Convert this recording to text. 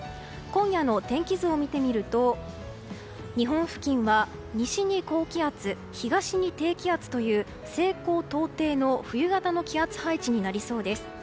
今夜の天気図を見てみると日本付近は西に高気圧東に低気圧という西高東低の冬型の気圧配置になりそうです。